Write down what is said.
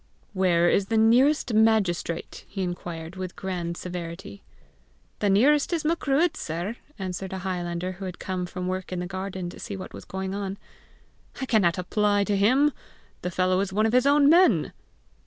"Where is the nearest magistrate?" he inquired with grand severity. "The nearest is the Macruadh, sir!" answered a highlander who had come from work in the garden to see what was going on. "I cannot apply to him; the fellow is one of his own men!"